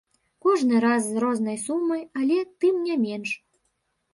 Кожны раз з рознай сумай, але, тым не менш.